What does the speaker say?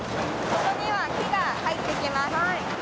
ここには木が入ってきます。